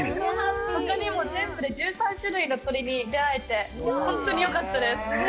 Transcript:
ほかにも全部で１３種類の鳥に出会えて、本当によかったです。